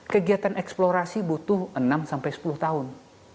kegiatan eksplorasi butuh enam sampai sepuluh tahun